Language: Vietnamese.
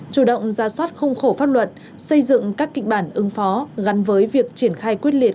chủ động ra soát khung khổ pháp luật xây dựng các kịch bản ứng phó gắn với việc triển khai quyết liệt